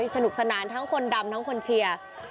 สนุกสนานทั้งคนดำทั้งคนเชียร์